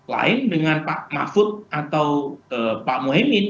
lain dengan pak mahfud atau pak mohemim